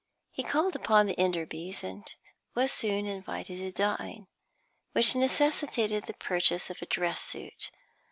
He called upon the Enderbys, and was soon invited to dine, which necessitated the purchase of a dress suit.